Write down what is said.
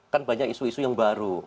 kan banyak isu isu yang baru